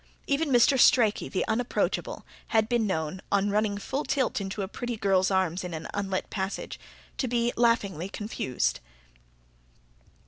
Even Mr. Strachey, the unapproachable, had been known, on running full tilt into a pretty girl's arms in an unlit passage, to be laughingly confused.